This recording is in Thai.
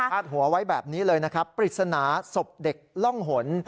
อาจหัวไว้แบบนี้เลยปริศนภาพสบเด็กร่องหล่น